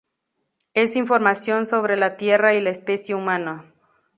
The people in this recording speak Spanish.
Es información sobre la Tierra y la especie humana.